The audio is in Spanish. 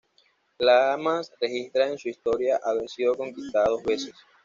Lamas registra en su historia haber sido conquistada dos veces.